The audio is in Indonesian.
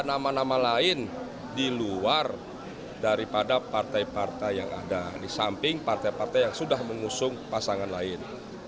nama nama lain di luar daripada partai partai yang ada di samping partai partai yang sudah mengusung pasangan lain